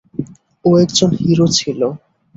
ও একজন হিরো ছিল।